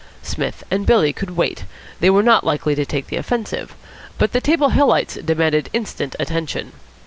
Psmith and Billy could wait; they were not likely to take the offensive; but the Table Hillites demanded instant attention.